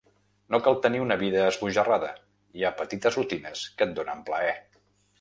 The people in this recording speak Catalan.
No cal tenir una vida esbojarrada: hi ha petites rutines que et donen plaer.